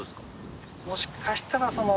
もしかしたらその。